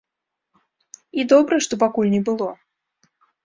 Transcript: І добра, што пакуль не было.